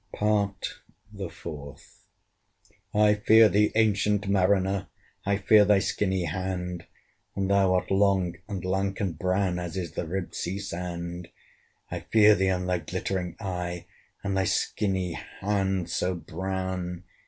PART THE FOURTH. "I fear thee, ancient Mariner! I fear thy skinny hand! And thou art long, and lank, and brown, As is the ribbed sea sand. "I fear thee and thy glittering eye, And thy skinny hand, so brown."